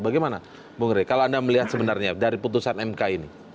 bagaimana bung rey kalau anda melihat sebenarnya dari putusan mk ini